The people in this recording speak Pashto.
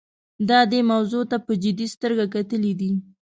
دا دې موضوع ته په جدي سترګه کتلي دي.